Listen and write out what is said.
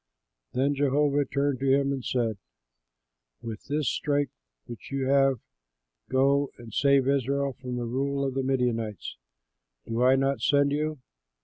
Then Jehovah turned to him and said, "With this strength which you have go and save Israel from the rule of the Midianites: do I not send you?"